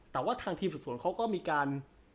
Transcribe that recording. แต่ว่าทางทีมสืบสวนเขาก็มีการ